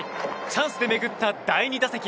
チャンスで巡った第２打席。